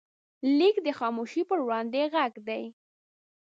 لیک د خاموشۍ پر وړاندې غږ دی.